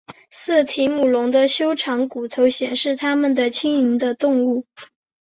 似提姆龙的修长骨头显示它们的轻盈的动物。